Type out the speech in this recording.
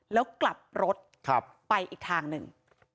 แล้วกลับรถไปอีกทางหนึ่ง